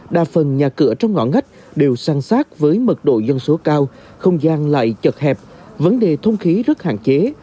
đa phần nhà cửa trong ngõ ngách đều sang sát với mật độ dân số cao không gian lại chật hẹp vấn đề thông khí rất hạn chế